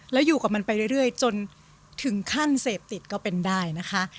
แล้วอยู่กับมันไปเรื่อยจนถึงขั้นเสพติดก็เป็นได้นะคะ